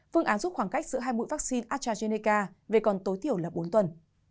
phương án giúp khoảng cách giữa hai mũi vaccine astrazeneca về còn tối thiểu là bốn tuần